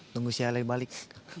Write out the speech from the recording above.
tunggu si hailey balik